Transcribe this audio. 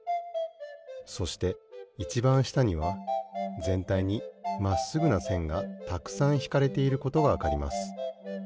そしていちばんしたにはぜんたいにまっすぐなせんがたくさんひかれていることがわかります。